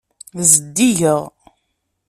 Zeddigeɣ.